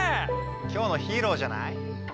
今日のヒーローじゃない？